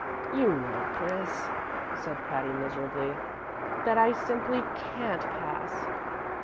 "You know, Pris," said Patty, miserably, "that I simply can't pass."